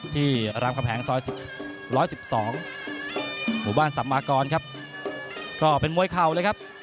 รามคำแหงซอย๑๑๒หมู่บ้านสัมมากรครับก็เป็นมวยเข่าเลยครับ